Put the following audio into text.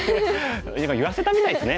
今言わせたみたいですね。